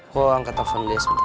kok angkat telfon gue sebentar